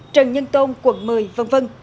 trần nhân tôn quận một mươi v v